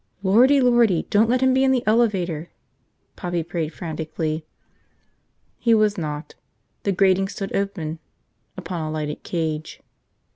... "Lordy, lordy, don't let him be in the elevator!" Poppy prayed frantically. He was not. The grating stood open upon a lighted cage.